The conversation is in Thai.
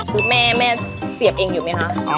คือแม่เสียบเองอยู่ไหมคะ